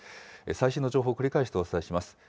最新の情報、繰り返してお伝えします。